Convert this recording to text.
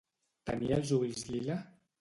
Tenia els ulls lila?